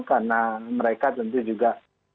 karena mereka tentu juga